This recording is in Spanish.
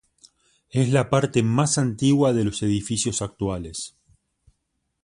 Es la parte más antigua de los edificios actuales.